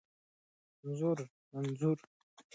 انځور د فضا د څیړنې لپاره مهم معلومات لري.